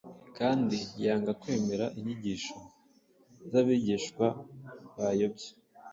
kandi yanga kwemera inyigisho z’abigisha bayobye.